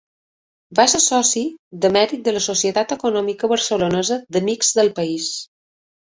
Va ser soci de mèrit de la Societat Econòmica Barcelonesa d'Amics del País.